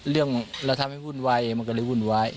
เรื่องเราทำให้วุ่นวายมันก็เลยวุ่นวาย